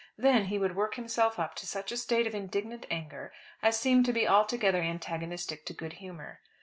Then he would work himself up to such a state of indignant anger as seemed to be altogether antagonistic to good humour.